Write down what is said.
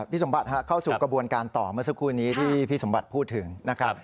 พี่สมบัติเข้าสู่กระบวนการต่อเมื่อสักครู่นี้ที่พี่สมบัติพูดถึงนะครับ